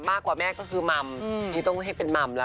มากกว่าแม่ก็คือมัมนี่ต้องให้เป็นมัมแล้ว